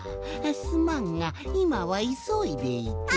すまんがいまはいそいでいて。